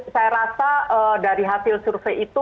saya rasa dari hasil survei itu